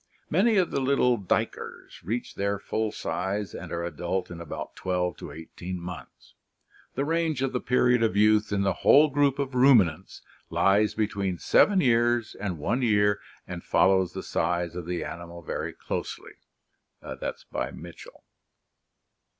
Many of the little duikers reach their full size and are adult in about twelve to eighteen months. The range of the period of youth in the whole group of ruminants lies between seven years and one year and follows the size of the animal very closely " (Mitchell).